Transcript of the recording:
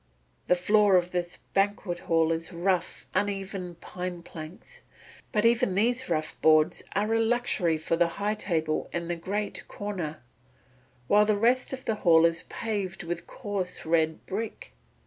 "The floor of this banquet hall is of rough, uneven pine planks, and even these rough boards are a luxury for the high table and the great corner, while the rest of the hall is paved with coarse red brick.